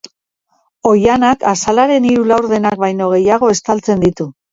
Oihanak azaleraren hiru laurdenak baino gehiago estaltzen ditu.